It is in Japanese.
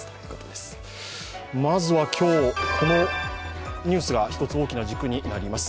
まずは今日、このニュースが一つ大きな軸になります。